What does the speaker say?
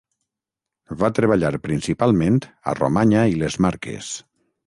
Va treballar principalment a Romanya i les Marques.